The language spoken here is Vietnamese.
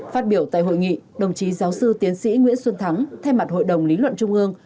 phát biểu tại hội nghị đồng chí giáo sư tiến sĩ nguyễn xuân thắng thay mặt hội đồng lý luận trung ương